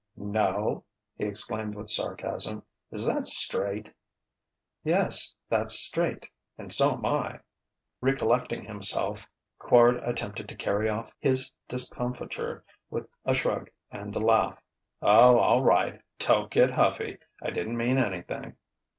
"No?" he exclaimed with sarcasm. "Is that straight?" "Yes, that's straight and so'm I!" Recollecting himself, Quard attempted to carry off his discomfiture with a shrug and a laugh: "Oh, all right. Don't get huffy. I didn't mean anything."